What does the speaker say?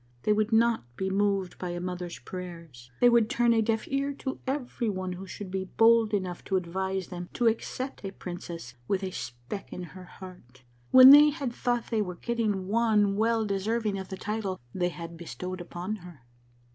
They would not be moved by a mother's prayers : they would turn a deaf ear to every one who should be bold enough to advise them to accept a princess with A MARVELLOUS UNDERGROUND JOURNEY 75 a speck in her heart, when they had thouglit they were getting one well deserving of the title they had bestowed upon her.